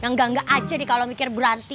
yang gak nggak aja deh kalo mikir berarti